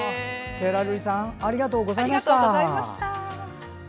てらるりさんありがとうございました。